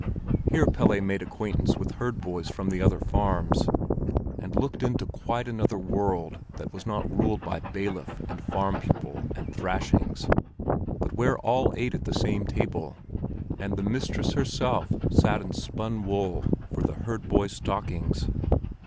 Here Pelle made acquaintance with herd boys from the other farms, and looked into quite another world that was not ruled by bailiff and farm pupil and thrashings, but where all ate at the same table, and the mistress herself sat and spun wool for the herd boys' stockings.